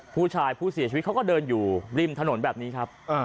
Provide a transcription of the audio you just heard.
ผู้ชายผู้เสียชีวิตเขาก็เดินอยู่ริมถนนแบบนี้ครับ